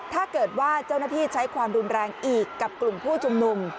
ถ้าเกิดว่าเจ้าหน้าที่ใช้ความรุนแรงอีกกับกลุ่มผู้ชุมนุม